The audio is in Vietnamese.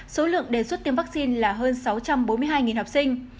số lượng đề xuất tiêm vaccine là hơn sáu trăm bốn mươi hai học sinh